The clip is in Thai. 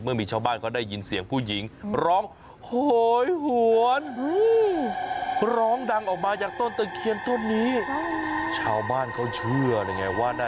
มีชาวบ้านเขาได้ยินเสียงผู้หญิงร้องโหยหวน